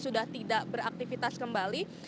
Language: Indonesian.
sudah tidak beraktivitas kembali